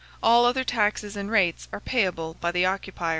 All other taxes and rates are payable by the occupier.